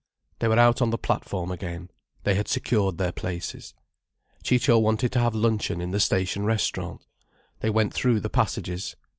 They were out on the platform again, they had secured their places. Ciccio wanted to have luncheon in the station restaurant. They went through the passages.